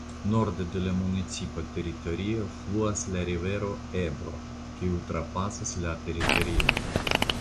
Norde de la municipa teritorio fluas la rivero Ebro kiu trapasas la teritorion.